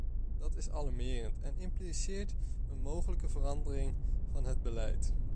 Dat is alarmerend en impliceert een mogelijke verandering van het beleid.